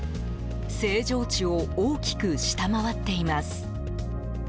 正常値を大きく下回っています。